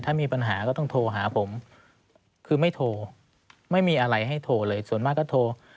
ถ้ามีปัญหาก็ต้องโทรหาผมคือไม่โทรไม่มีอะไรให้โทรเลยส่วนมากก็โทร